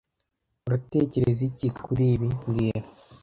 Uratekereza iki kuri ibi mbwira